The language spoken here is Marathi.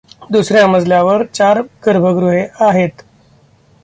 दुसर् या मजल्यावर चार गर्भगृहे आहेत.